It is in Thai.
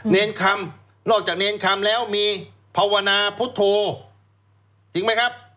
เนรคำนอกจากเนรคำแล้วมีภาวนาพุทธโธจริงไหมครับ